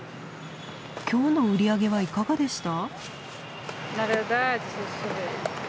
今日の売り上げはいかがでした？